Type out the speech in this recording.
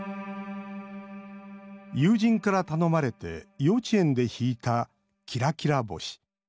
友人から頼まれて幼稚園で弾いた「きらきら星」。